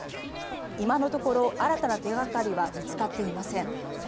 今のところ新たな手掛かりは見つかっていません。